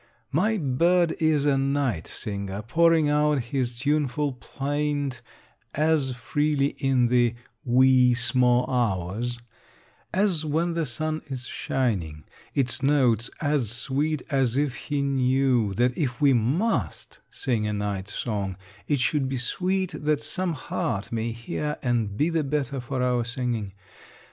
My bird is a night singer, pouring out his tuneful plaint as freely in the "wee, sma' hours," as when the sun is shining; its notes as sweet as if he knew that if we must sing a night song it should be sweet that some heart may hear and be the better for our singing.